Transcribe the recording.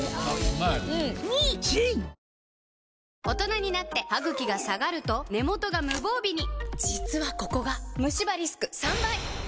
大人になってハグキが下がると根元が無防備に実はここがムシ歯リスク３倍！